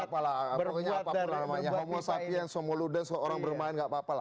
apapun namanya homo sapiens homo ludens orang bermain tidak apa apa